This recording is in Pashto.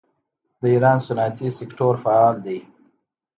د ایران صنعتي سکتور فعال دی.